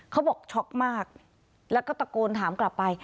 บอกช็อกมากแล้วก็ตะโกนถามกลับไป